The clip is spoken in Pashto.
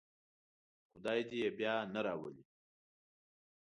خدای دې یې بیا نه راولي.